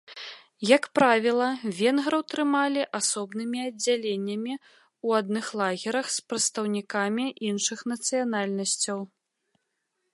Як правіла венграў трымалі асобнымі аддзяленнямі ў адных лагерах з прадстаўнікамі іншых нацыянальнасцяў.